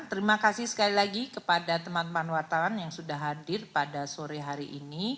terima kasih sekali lagi kepada teman teman wartawan yang sudah hadir pada sore hari ini